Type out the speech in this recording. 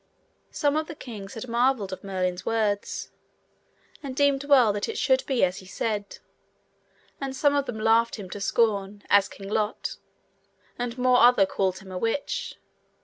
Some of the kings had marvel of Merlin's words, and deemed well that it should be as he said; and some of them laughed him to scorn, as King Lot; and more other called him a witch.